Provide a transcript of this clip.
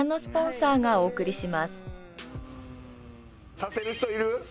刺せる人いる？